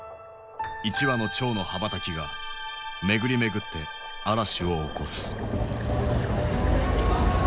一羽の蝶の羽ばたきが巡り巡って嵐を起こす。